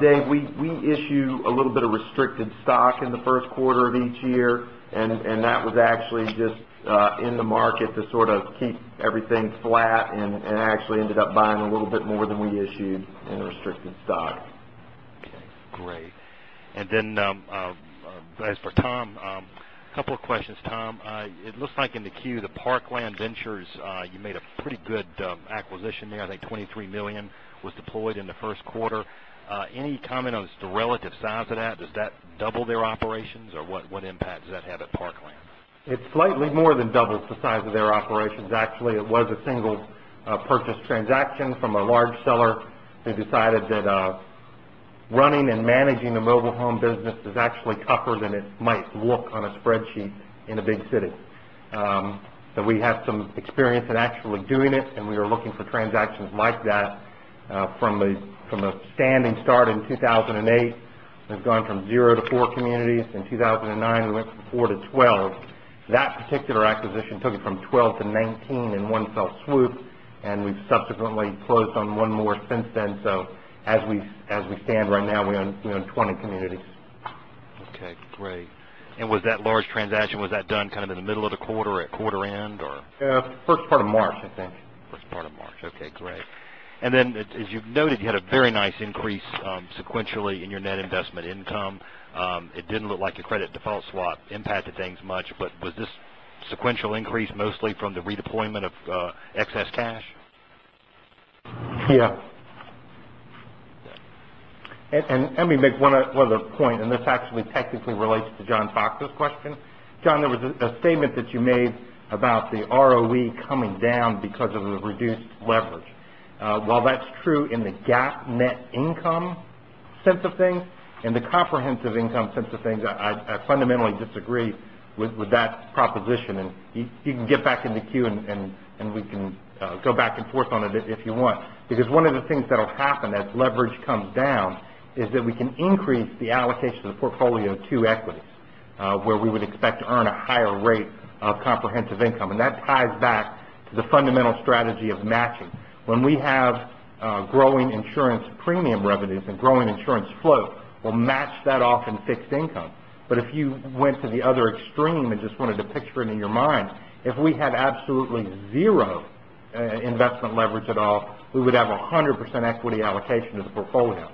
Dave, we issue a little bit of restricted stock in the first quarter of each year. That was actually just in the market to sort of keep everything flat and actually ended up buying a little bit more than we issued in restricted stock. Okay, great. As for Tom, a couple of questions, Tom. It looks like in the Form 10-Q, the Parkland ventures, you made a pretty good acquisition there. I think $23 million was deployed in the first quarter. Any comment on the relative size of that? Does that double their operations, or what impact does that have at Parkland? It slightly more than doubles the size of their operations. Actually, it was a single purchase transaction from a large seller who decided that running and managing a mobile home business is actually tougher than it might look on a spreadsheet in a big city. We have some experience in actually doing it, and we are looking for transactions like that. From a standing start in 2008, we've gone from zero to four communities. In 2009, we went from four to 12. That particular acquisition took it from 12 to 19 in one fell swoop, and we've subsequently closed on one more since then. As we stand right now, we own 20 communities. Okay, great. Was that large transaction, was that done kind of in the middle of the quarter, at quarter end, or? First part of March, I think. First part of March. Okay, great. As you've noted, you had a very nice increase sequentially in your net investment income. It didn't look like your credit default swap impacted things much, was this sequential increase mostly from the redeployment of excess cash? Yeah. Okay. Let me make one other point, and this actually technically relates to John Fox's question. John, there was a statement that you made about the ROE coming down because of the reduced leverage. While that's true in the GAAP net income sense of things, in the comprehensive income sense of things, I fundamentally disagree with that proposition. You can get back in the queue, and we can go back and forth on it if you want. One of the things that'll happen as leverage comes down is that we can increase the allocation of the portfolio to equities, where we would expect to earn a higher rate of comprehensive income. That ties back to the fundamental strategy of matching. When we have growing insurance premium revenues and growing insurance float, we'll match that off in fixed income. If you went to the other extreme and just wanted to picture it in your mind, if we had absolutely zero investment leverage at all, we would have 100% equity allocation to the portfolio.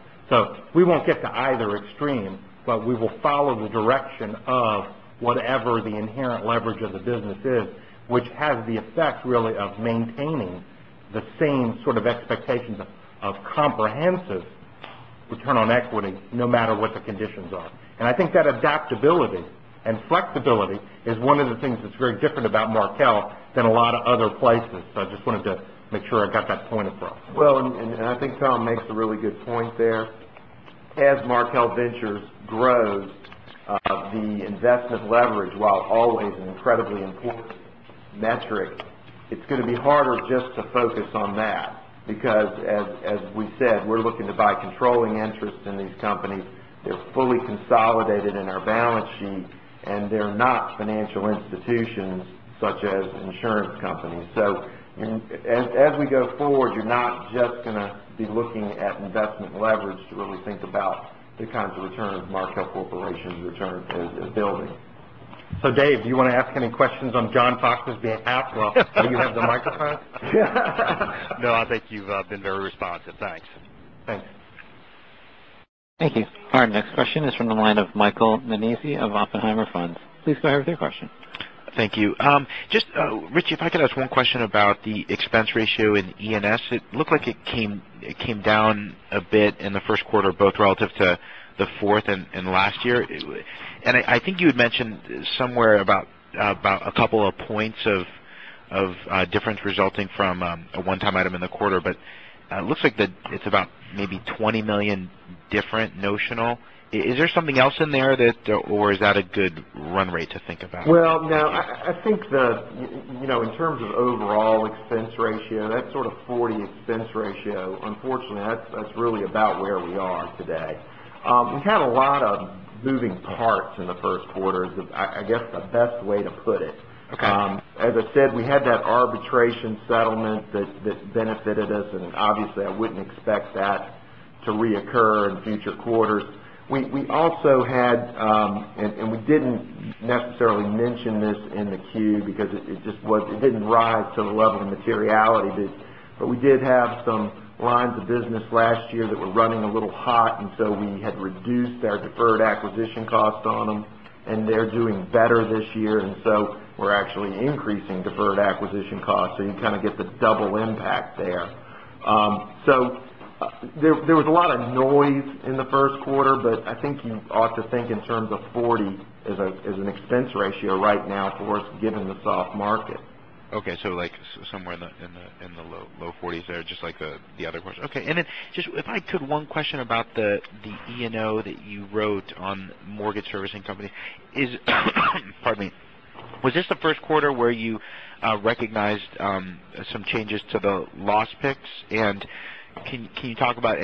We won't get to either extreme, but we will follow the direction of whatever the inherent leverage of the business is, which has the effect, really, of maintaining the same sort of expectations of comprehensive return on equity, no matter what the conditions are. I think that adaptability and flexibility is one of the things that's very different about Markel than a lot of other places. I just wanted to make sure I got that point across. I think Tom makes a really good point there. As Markel Ventures grows, the investment leverage, while always an incredibly important metric, it's going to be harder just to focus on that because, as we said, we're looking to buy controlling interests in these companies. They're fully consolidated in our balance sheet, and they're not financial institutions such as insurance companies. As we go forward, you're not just going to be looking at investment leverage to really think about the kinds of returns Markel Corporation's return is building. Dave, do you want to ask any questions on John Fox's behalf while you have the microphone? I think you've been very responsive. Thanks. Thanks. Thank you. Our next question is from the line of Michael Monahan of OppenheimerFunds. Please go ahead with your question. Thank you. Just, Richie, if I could ask one question about the expense ratio in E&S. It looked like it came down a bit in the first quarter, both relative to the fourth and last year. I think you had mentioned somewhere about a couple of points of difference resulting from a one-time item in the quarter, but it looks like it's about maybe $20 million different notional. Is there something else in there, or is that a good run rate to think about? Well, no, I think that in terms of overall expense ratio, that sort of 40 expense ratio, unfortunately, that's really about where we are today. We had a lot of moving parts in the first quarter, is, I guess, the best way to put it. Okay. As I said, we had that arbitration settlement that benefited us, and obviously, I wouldn't expect that to reoccur in future quarters. We also had, and we didn't necessarily mention this in the Q because it didn't rise to the level of materiality, but we did have some lines of business last year that were running a little hot, and so we had reduced our deferred acquisition cost on them, and they're doing better this year. We're actually increasing deferred acquisition costs. You kind of get the double impact there. There was a lot of noise in the first quarter, but I think you ought to think in terms of 40 as an expense ratio right now for us, given the soft market. Like somewhere in the low 40s there, just like the other question. And if I could, one question about the E&O that you wrote on mortgage servicing company. Pardon me. Was this the first quarter where you recognized some changes to the loss picks, and can you talk about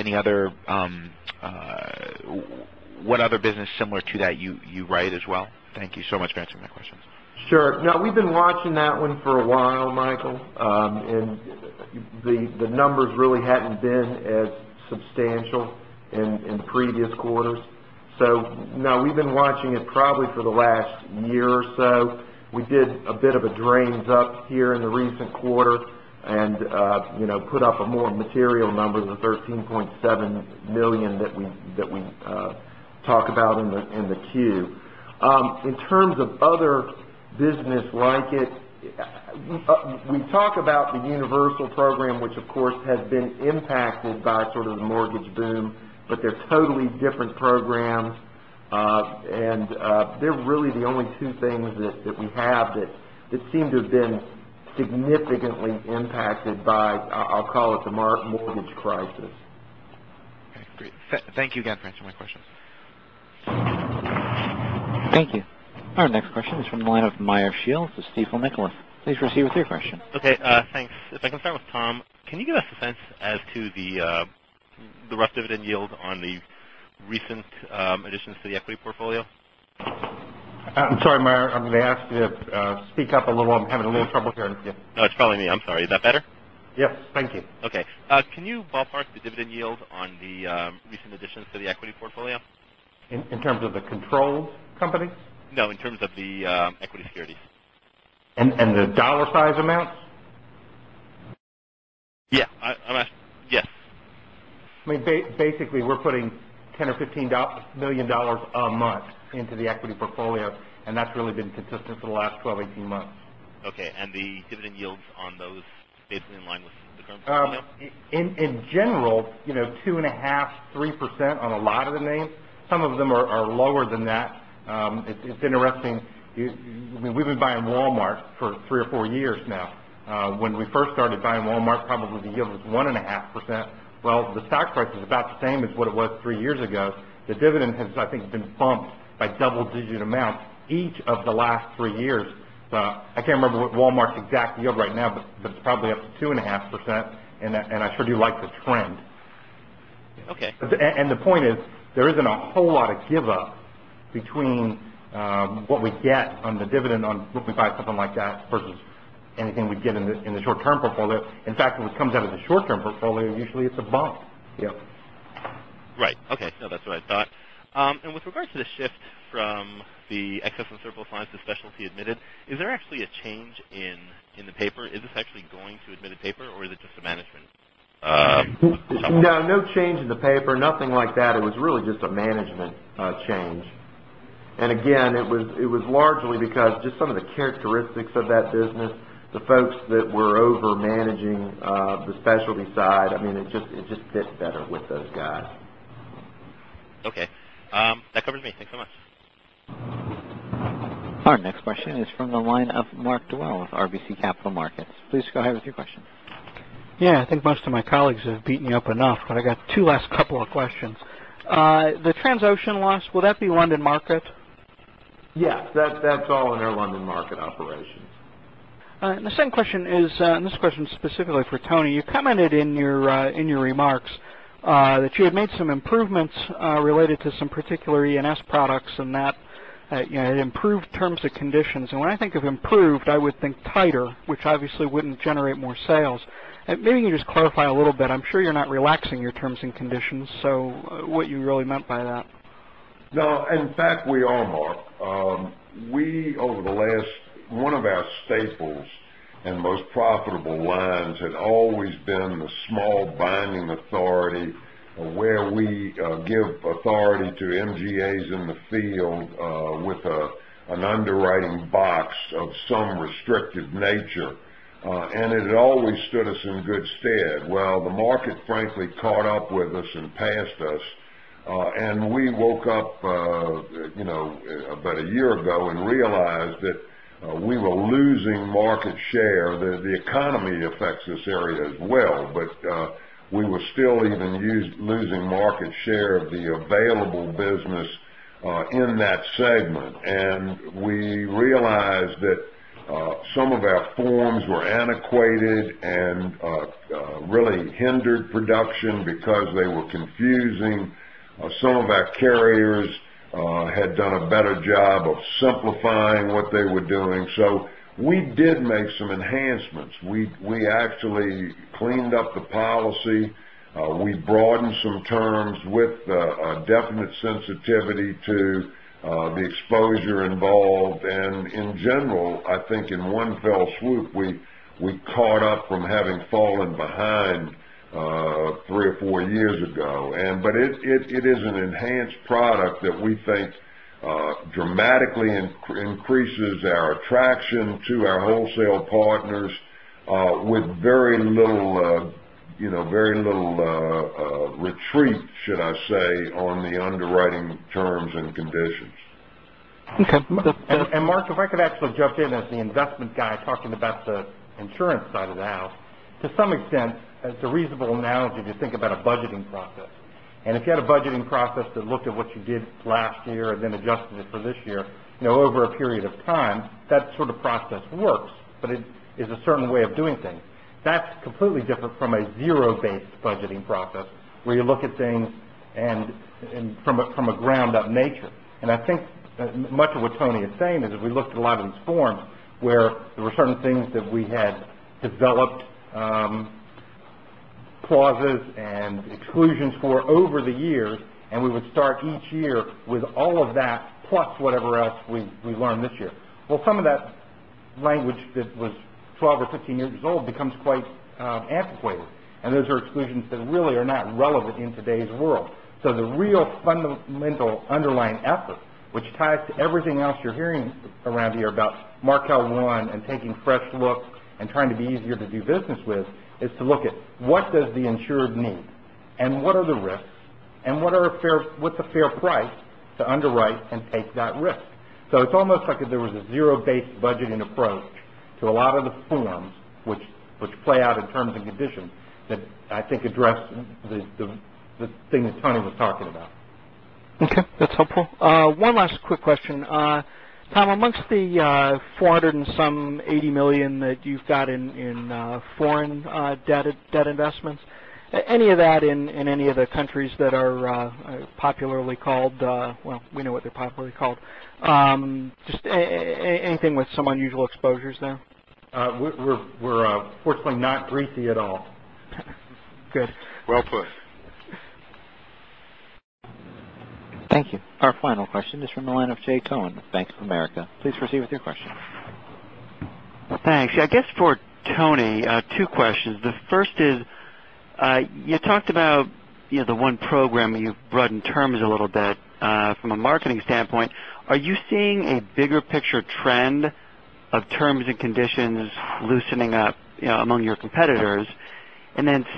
what other business similar to that you write as well? Thank you so much for answering my questions. Sure. We've been watching that one for a while, Michael, and the numbers really hadn't been as substantial in previous quarters. No, we've been watching it probably for the last year or so. We did a bit of a drains up here in the recent quarter and put up a more material number, the $13.7 million that we talk about in the Q. In terms of other business like it, we talk about the universal program, which of course, has been impacted by sort of the mortgage boom, but they're totally different programs. They're really the only two things that we have that seem to have been significantly impacted by, I'll call it the mortgage crisis. Great. Thank you again for answering my questions. Thank you. Our next question is from the line of Meyer Shields with Stifel Nicolaus. Please proceed with your question. Okay, thanks. If I can start with Tom, can you give us a sense as to the rough dividend yield on the recent additions to the equity portfolio? I'm sorry, Meyer, I'm going to ask you to speak up a little. I'm having a little trouble hearing you. No, it's probably me. I'm sorry. Is that better? Yes. Thank you. Okay. Can you ballpark the dividend yield on the recent additions to the equity portfolio? In terms of the controlled companies? No, in terms of the equity securities. The dollar size amounts? Yeah. I mean, basically, we're putting $10 million or $15 million a month into the equity portfolio, and that's really been consistent for the last 12-18 months. Okay. The dividend yields on those basically in line with the current portfolio? In general, 2.5%-3% on a lot of the names. Some of them are lower than that. It's interesting. We've been buying Walmart for three or four years now. When we first started buying Walmart, probably the yield was 1.5%. Well, the stock price is about the same as what it was three years ago. The dividend has, I think, been bumped by double-digit amounts each of the last three years. I can't remember what Walmart's exact yield right now, but it's probably up to 2.5%, and I sure do like the trend. Okay. The point is, there isn't a whole lot of give up between what we get on the dividend on when we buy something like that versus anything we get in the short-term portfolio. In fact, when it comes out of the short-term portfolio, usually it's a bump. Yep. Right. Okay. No, that's what I thought. With regard to the shift from the Excess and Surplus lines to specialty admitted, is there actually a change in the paper? Is this actually going to admitted paper, or is it just a management change? No, no change in the paper, nothing like that. It was really just a management change. Again, it was largely because just some of the characteristics of that business, the folks that were over managing the specialty side, it just fits better with those guys. Okay. That covers me. Thanks so much. Our next question is from the line of Michael Dwyer with RBC Capital Markets. Please go ahead with your question. Yeah, I think most of my colleagues have beaten you up enough, but I got two last couple of questions. The Transocean loss, would that be London Market? Yes. That's all in our London Market operations. All right. The second question is, this question is specifically for Tony. You commented in your remarks that you had made some improvements related to some particular E&S products and that it improved terms and conditions. When I think of improved, I would think tighter, which obviously wouldn't generate more sales. Maybe you can just clarify a little bit. I'm sure you're not relaxing your terms and conditions, what you really meant by that. No. In fact, we are, Mark. One of our staples and most profitable lines had always been the small binding authority where we give authority to MGAs in the field with an underwriting box of some restrictive nature. It had always stood us in good stead. Well, the market frankly caught up with us and passed us. We woke up about a year ago and realized that we were losing market share. The economy affects this area as well, but we were still even losing market share of the available business in that segment. We realized that some of our forms were antiquated and really hindered production because they were confusing. Some of our carriers had done a better job of simplifying what they were doing. We did make some enhancements. We actually cleaned up the policy. We broadened some terms with a definite sensitivity to the exposure involved. In general, I think in one fell swoop, we caught up from having fallen behind three or four years ago. It is an enhanced product that we think dramatically increases our attraction to our wholesale partners with very little retreat, should I say, on the underwriting terms and conditions. Okay. Mark, if I could actually jump in as the investment guy talking about the insurance side of the house. To some extent, as a reasonable analogy to think about a budgeting process. If you had a budgeting process that looked at what you did last year and then adjusted it for this year, over a period of time, that sort of process works, but it is a certain way of doing things. That's completely different from a zero-based budgeting process where you look at things from a ground-up nature. I think that much of what Tony is saying is if we looked at a lot of these forms where there were certain things that we had developed clauses and exclusions for over the years, and we would start each year with all of that, plus whatever else we learned this year. Well, some of that language that was 12 or 15 years old becomes quite antiquated, and those are exclusions that really are not relevant in today's world. The real fundamental underlying effort, which ties to everything else you're hearing around here about Markel One and taking fresh looks and trying to be easier to do business with, is to look at what does the insured need, and what are the risks, and what's a fair price to underwrite and take that risk. It's almost like there was a zero-based budgeting approach to a lot of the forms which play out in terms and conditions that I think address the thing that Tony was talking about. Okay. That's helpful. One last quick question. Tom, amongst the $480 million that you've got in foreign debt investments, any of that in any of the countries that are popularly called Well, we know what they're popularly called. Just anything with some unusual exposures there? We're fortunately not Greece-y at all. Good. Well put. Thank you. Our final question is from the line of Jay Cohen of Bank of America. Please proceed with your question. Thanks. I guess for Tony, two questions. The first is, you talked about the one program that you've broadened terms a little bit from a marketing standpoint. Are you seeing a bigger picture trend of terms and conditions loosening up among your competitors?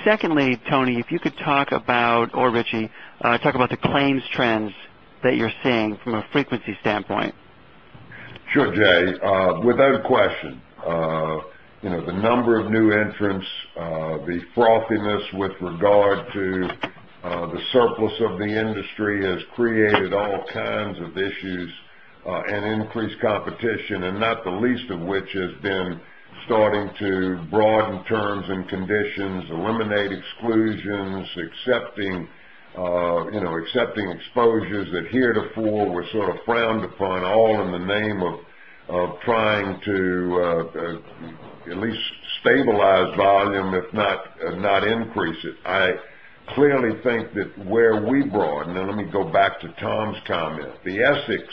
Secondly, Tony, if you could talk about, or Richie, talk about the claims trends that you're seeing from a frequency standpoint. Sure, Jay. Without question. The number of new entrants, the frothiness with regard to the surplus of the industry has created all kinds of issues, increased competition, not the least of which has been starting to broaden terms and conditions, eliminate exclusions, accepting exposures that heretofore were sort of frowned upon, all in the name of trying to at least stabilize volume, if not increase it. I clearly think that where we broaden, let me go back to Tom's comment. The Essex,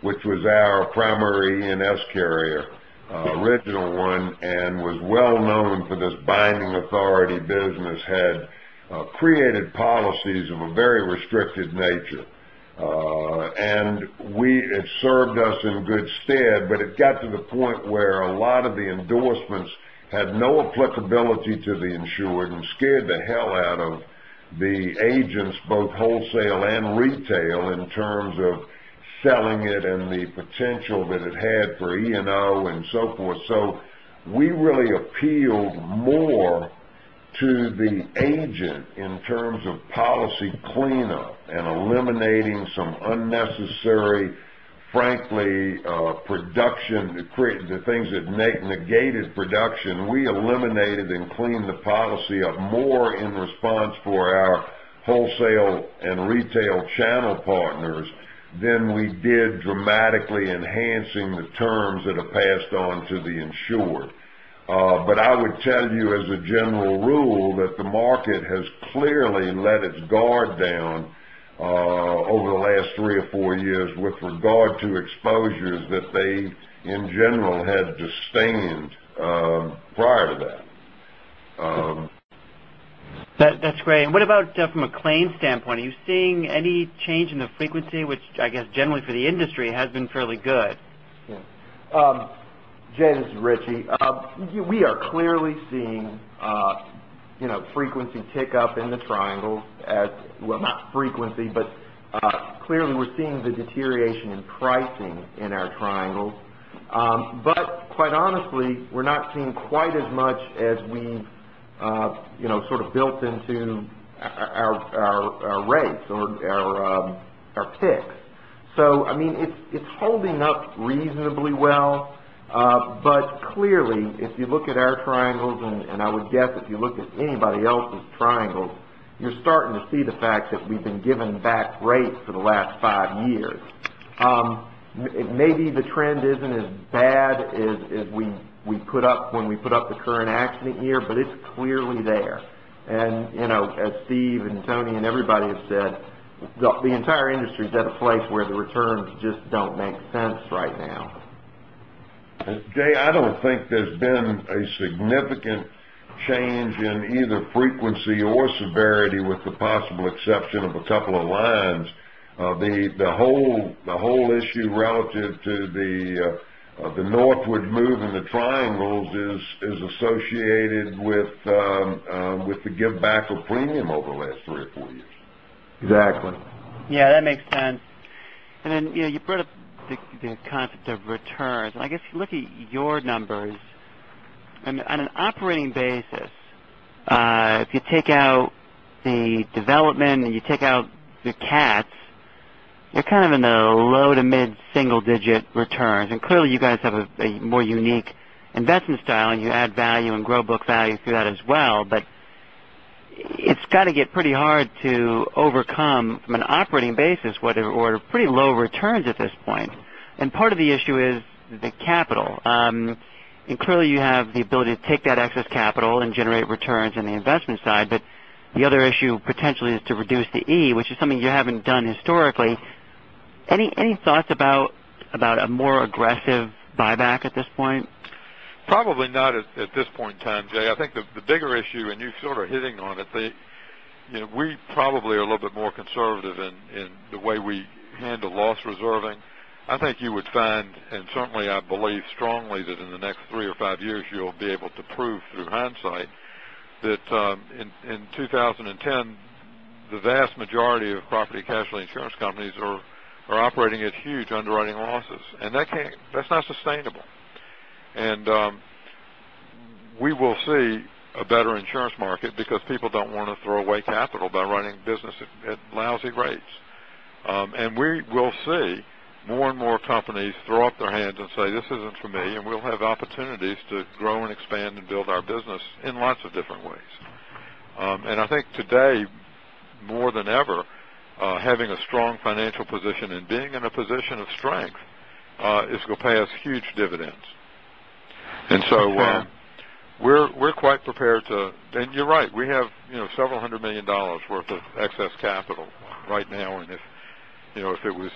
which was our primary E&S carrier, original one, was well known for this binding authority business, had created policies of a very restricted nature. It served us in good stead, but it got to the point where a lot of the endorsements had no applicability to the insured and scared the hell out of the agents, both wholesale and retail, in terms of selling it and the potential that it had for E&O and so forth. We really appealed more to the agent in terms of policy cleanup and eliminating some unnecessary, frankly, production, the things that negated production. We eliminated and cleaned the policy up more in response for our wholesale and retail channel partners than we did dramatically enhancing the terms that are passed on to the insured. I would tell you as a general rule, that the market has clearly let its guard down over the last three or four years with regard to exposures that they, in general, had disdained prior to that. That's great. What about from a claims standpoint? Are you seeing any change in the frequency, which I guess generally for the industry has been fairly good? Jay, this is Richie. We are clearly seeing frequency tick up in the triangles. Not frequency, but clearly we're seeing the deterioration in pricing in our triangles. Quite honestly, we're not seeing quite as much as we've sort of built into our rates or our picks. It's holding up reasonably well. Clearly, if you look at our triangles, and I would guess if you look at anybody else's triangles, you're starting to see the fact that we've been given back rates for the last five years. Maybe the trend isn't as bad as when we put up the current accident year, but it's clearly there. As Steve and Tony and everybody have said, the entire industry is at a place where the returns just don't make sense right now. Jay, I don't think there's been a significant change in either frequency or severity with the possible exception of a couple of lines. The whole issue relative to the northward move in the triangles is associated with the give back of premium over the last three or four years. Exactly. Yeah, that makes sense. You brought up the concept of returns. I guess if you look at your numbers on an operating basis, if you take out the development and you take out the cats, you're kind of in the low to mid single-digit returns. Clearly you guys have a more unique investment style, and you add value and grow book value through that as well. It's got to get pretty hard to overcome from an operating basis what are pretty low returns at this point. Part of the issue is the capital. Clearly you have the ability to take that excess capital and generate returns on the investment side. The other issue potentially is to reduce the E, which is something you haven't done historically. Any thoughts about a more aggressive buyback at this point? Probably not at this point in time, Jay. I think the bigger issue, and you sort of hitting on it, we probably are a little bit more conservative in the way we handle loss reserving. I think you would find, and certainly I believe strongly that in the next three or five years, you'll be able to prove through hindsight that, in 2010, the vast majority of property casualty insurance companies are operating at huge underwriting losses. That's not sustainable. We will see a better insurance market because people don't want to throw away capital by running business at lousy rates. We will see more and more companies throw up their hands and say, "This isn't for me," and we'll have opportunities to grow and expand and build our business in lots of different ways. I think today, more than ever, having a strong financial position and being in a position of strength is going to pay us huge dividends. We're quite prepared to-- You're right. We have several hundred million dollars worth of excess capital right now, and if it was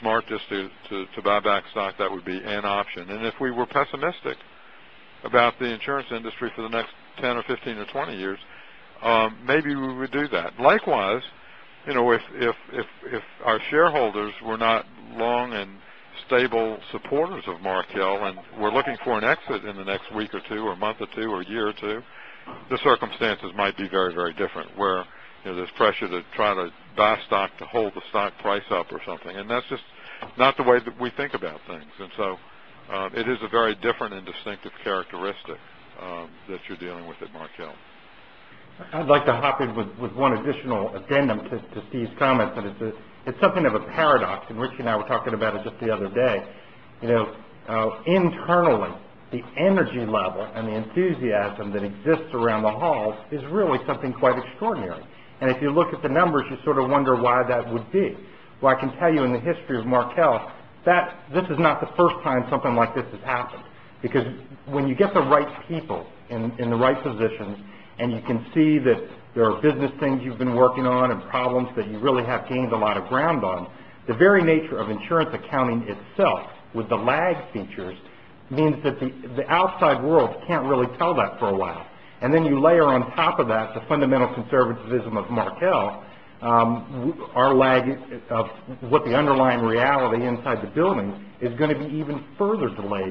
smart just to buy back stock, that would be an option. If we were pessimistic about the insurance industry for the next 10 or 15 or 20 years, maybe we would do that. Likewise, if our shareholders were not long and stable supporters of Markel and were looking for an exit in the next week or two, or month or two, or a year or two, the circumstances might be very, very different where there's pressure to try to buy stock to hold the stock price up or something. That's just not the way that we think about things. It is a very different and distinctive characteristic that you're dealing with at Markel. I'd like to hop in with one additional addendum to Steve's comments, and it's something of a paradox, and Richie and I were talking about it just the other day. Internally, the energy level and the enthusiasm that exists around the halls is really something quite extraordinary. If you look at the numbers, you sort of wonder why that would be. Well, I can tell you in the history of Markel, this is not the first time something like this has happened. When you get the right people in the right positions and you can see that there are business things you've been working on and problems that you really have gained a lot of ground on, the very nature of insurance accounting itself with the lag features means that the outside world can't really tell that for a while. Then you layer on top of that the fundamental conservatism of Markel, our lag of what the underlying reality inside the building is going to be even further delayed